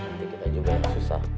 nanti kita juga susah